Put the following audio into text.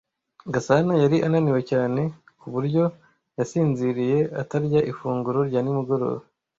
Gasana yari ananiwe cyane ku buryo yasinziriye atarya ifunguro rya nimugoroba.